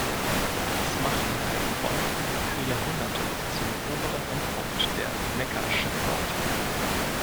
Es machte Heilbronn für Jahrhunderte zum oberen Endpunkt der Neckarschifffahrt.